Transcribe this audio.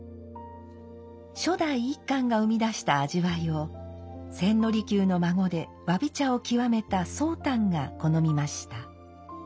初代一閑が生み出した味わいを千利休の孫で侘び茶を究めた宗旦が好みました。